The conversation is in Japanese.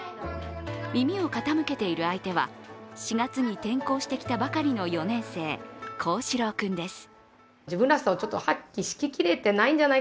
耳を傾けている相手は４月に転校してきたばかりの４年生、光志朗君です。